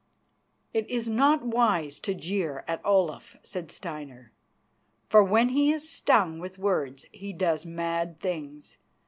"It is not wise to jeer at Olaf," said Steinar, "for when he is stung with words he does mad things.